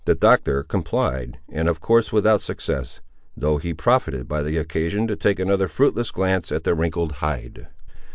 The Doctor complied, and of course without success; though he profited by the occasion to take another fruitless glance at the wrinkled hide.